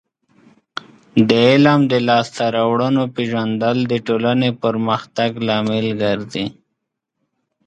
د علم د لاسته راوړنو پیژندل د ټولنې پرمختګ لامل ګرځي.